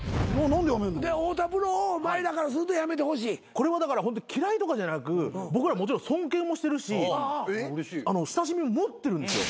これは嫌いとかじゃなく僕らもちろん尊敬もしてるし親しみも持ってるんですよ。